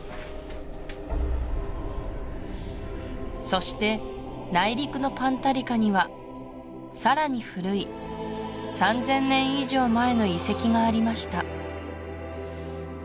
そして内陸のパンタリカにはさらに古い３０００年以上前の遺跡がありました